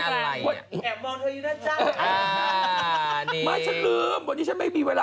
อันนี้ต้องอัพเดทค่ะ